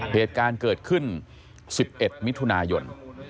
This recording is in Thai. เหตุการณ์เกิดขึ้น๑๑มิถุนายน